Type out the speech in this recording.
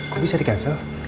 kok bisa di cancel